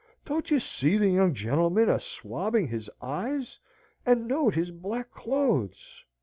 "Don't you see the young gentleman a swabbing his eyes, and note his black clothes?"